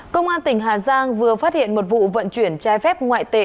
công an tỉnh hà giang vừa phát hiện một vụ vận chuyển trái phép ngoại tệ